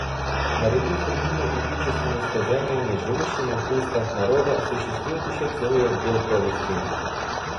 Наряду с другими эпическими сказаниями, живущими в устах народа, существует еще целый отдел повестей.